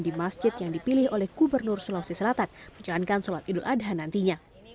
di masjid yang dipilih oleh gubernur sulawesi selatan menjalankan sholat idul adha nantinya